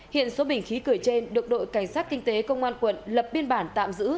hiện số bình khí cười trên được đội cảnh sát kinh tế công an quận lập biên bản tạm giữ